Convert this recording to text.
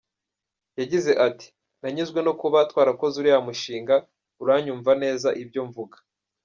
Yagize ati "Nanyuzwe no kuba twarakoze uriya mushinga, uranyumva neza ibyo mvuga.